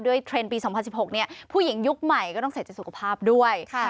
ด้วยเทรนด์ปี๒๐๑๖เนี่ยผู้หญิงยุคใหม่ก็ต้องเศรษฐศุกภาพด้วย